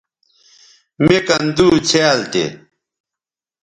مِ کن دُو څھیال تھے